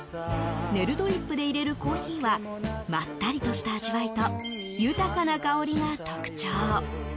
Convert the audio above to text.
ネルドリップで入れるコーヒーはまったりとした味わいと豊かな香りが特徴。